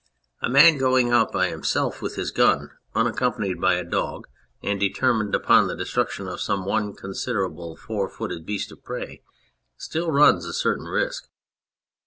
A man going out by himself with his gun, unaccompanied by a dog, and determined upon the destruction of some one considerable four footed beast of prey, still runs a certain risk."